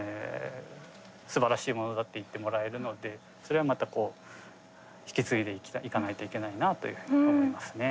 すばらしいものだって言ってもらえるのってそれはまたこう引き継いでいかないといけないなというふうに思いますね。